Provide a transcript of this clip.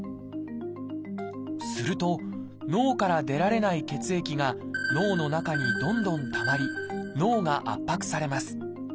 すると脳から出られない血液が脳の中にどんどんたまり脳が圧迫されます。